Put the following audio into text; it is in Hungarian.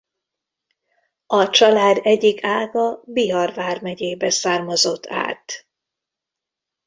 A család egyik ága Bihar vármegyébe származott át.